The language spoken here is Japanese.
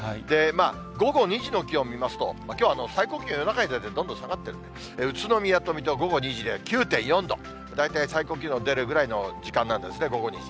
午後２時の気温、見ますと、きょう、最高気温夜中に出てどんどん下がっていて、宇都宮と水戸は午後２時で９．４度、大体最高気温の出るぐらいの時間なんですね、午後２時。